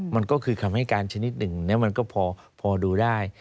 มันก็คือคำให้การชนิดหนึ่งมันก็พอดูได้